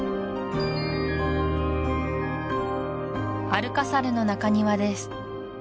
アルカサルの中庭です